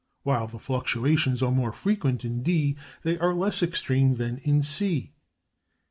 While the fluctuations are more frequent in D, they are less extreme than in C.